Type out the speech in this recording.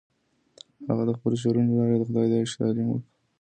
هغه د خپلو شعرونو له لارې د خدای د عشق تعلیم ورکولو.